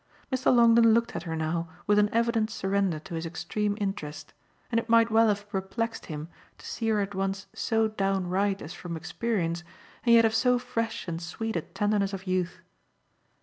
Mr. Longdon looked at her now with an evident surrender to his extreme interest, and it might well have perplexed him to see her at once so downright as from experience and yet of so fresh and sweet a tenderness of youth.